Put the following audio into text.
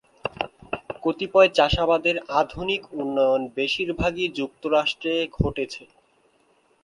কতিপয় চাষাবাদের আধুনিক উন্নয়ন বেশিরভাগই যুক্তরাষ্ট্রে ঘটেছে।